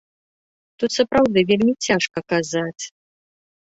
Тут сапраўды вельмі цяжка казаць.